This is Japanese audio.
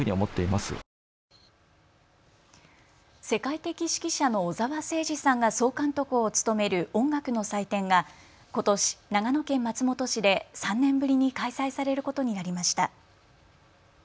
世界的指揮者の小澤征爾さんが総監督を務める音楽の祭典がことし長野県松本市で３年ぶりに開催されることになりました。